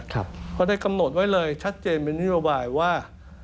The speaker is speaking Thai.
เขาได้กำหนดไว้เลยชัดเจนเป็นนโยบายว่า